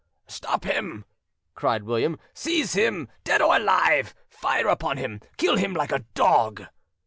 "Stop him!" cried William. "Seize him, dead or alive! Fire upon him! Kill him like a dog!"